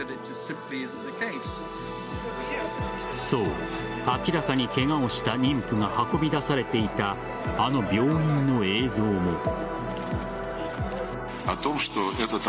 そう、明らかにケガをした妊婦が運び出されていたあの病院の映像も。